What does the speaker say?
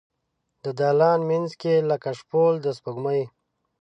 د دالان مینځ کې لکه شپول د سپوږمۍ